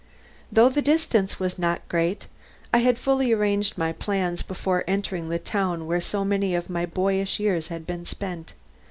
Though the distance was not great, I had fully arranged my plans before entering the town where so many of my boyish years had been spent.